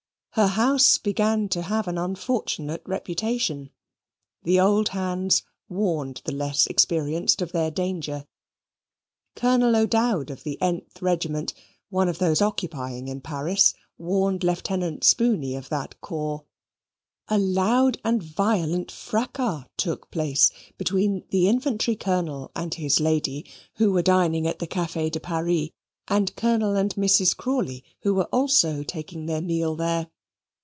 Her house began to have an unfortunate reputation. The old hands warned the less experienced of their danger. Colonel O'Dowd, of the th regiment, one of those occupying in Paris, warned Lieutenant Spooney of that corps. A loud and violent fracas took place between the infantry Colonel and his lady, who were dining at the Cafe de Paris, and Colonel and Mrs. Crawley; who were also taking their meal there.